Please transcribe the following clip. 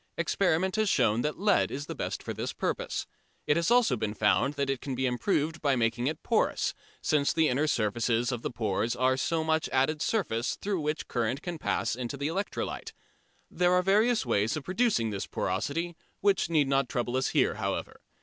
Experiment has shown that lead is the best for this purpose. It has also been found that it can be improved by making it porous, since the inner surfaces of the pores are so much added surface through which current can pass into the electrolyte. There are various ways of producing this porosity, which need not trouble us here, however.